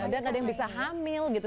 dan ada yang bisa hamil gitu